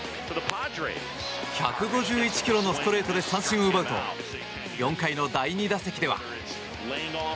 １５１ｋｍのストレートで三振を奪うと４回の第２打席では。